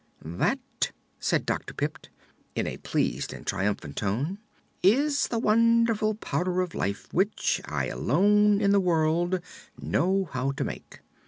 "That," said Dr. Pipt, in a pleased and triumphant tone, "is the wonderful Powder of Life, which I alone in the world know how to make.